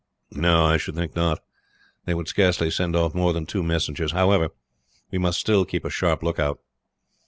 "No, I should think not. They would scarcely send off more than two messengers. However, we must still keep a sharp lookout."